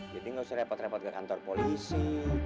jadi gak usah repot repot ke kantor polisi